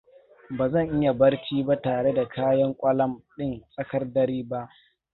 Ba zan iya barci ba tare da kayan kwalam din tsakar dare ba.